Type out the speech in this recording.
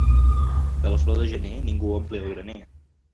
De la flor de gener ningú ompli el graner.